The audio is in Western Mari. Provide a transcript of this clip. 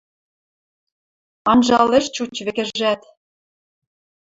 Анжал ӹш чуч вӹкӹжӓт.